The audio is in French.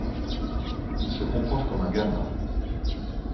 Il se comporte comme un gamin.